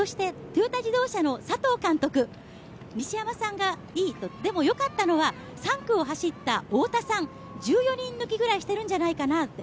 トヨタ自動車の佐藤監督、西山さんがいいと、でもよかったのは３区を走った太田さん、１４人抜きぐらいしているんじゃないかな。